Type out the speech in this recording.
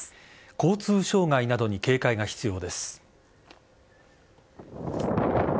交通障害などに警戒が必要です。